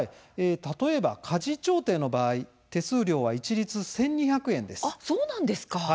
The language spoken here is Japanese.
例えば、家事調停の場合手数料は一律１２００円です。